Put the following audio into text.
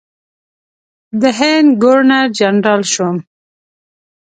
د هند ګورنر جنرال شوم.